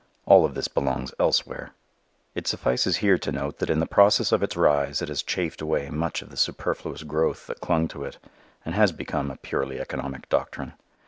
All of this belongs elsewhere. It suffices here to note that in the process of its rise it has chafed away much of the superfluous growth that clung to it and has become a purely economic doctrine.